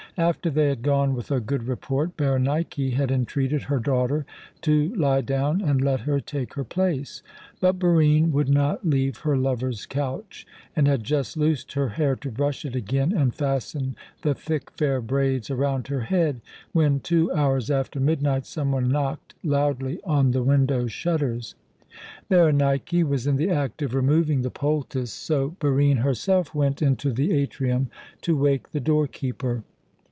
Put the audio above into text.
After they had gone with a good report, Berenike had entreated her daughter to lie down and let her take her place. But Barine would not leave her lover's couch, and had just loosed her hair to brush it again and fasten the thick, fair braids around her head, when, two hours after midnight, some one knocked loudly on the window shutters. Berenike was in the act of removing the poultice, so Barine herself went into the atrium to wake the doorkeeper.